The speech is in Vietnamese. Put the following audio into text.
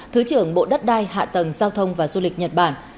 thứ trưởng bộ đất đai hạ tầng giao thông và du lịch nhật bản